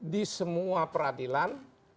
di semua peradilan